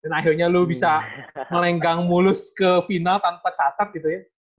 dan akhirnya lo bisa melenggang mulus ke final tanpa catat gitu ya